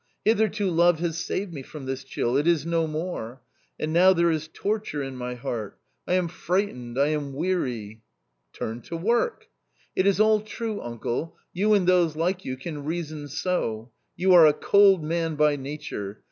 Hitherto love has saved me from this chill ; it is no more — and now there is torture in my heart — I am frightened, I am weary." 41 Turn to work." " It is all true, uncle, you and those like you can reason so. You are a cold man by nature.